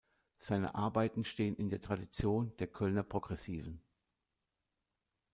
Seine Arbeiten stehen in der Tradition der Kölner Progressiven.